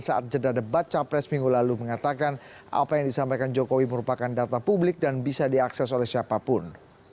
saat jeda debat capres minggu lalu mengatakan apa yang disampaikan jokowi merupakan data publik dan bisa diakses oleh siapapun